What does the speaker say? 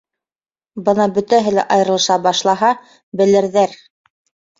Бына бөтәһе лә айырылыша башлаһа, белерҙәр!